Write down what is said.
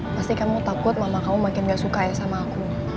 pasti kamu takut mama kamu makin gak suka ya sama aku